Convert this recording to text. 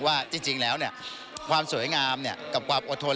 ว่าจริงแล้วเนี่ยความสวยงามเนี่ยกับความอดทน